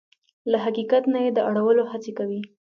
له حقیقت نه يې د اړولو هڅې کوي.